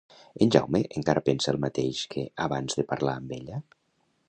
En Jaume encara pensa el mateix que abans de parlar amb ella?